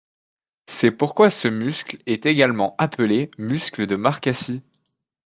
C’est pourquoi ce muscle est également appelé muscle de Marcacci.